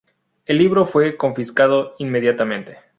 El libro fue confiscado inmediatamente.